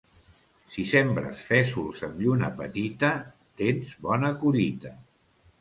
Si sembres fesols amb lluna petita, tens bona collita.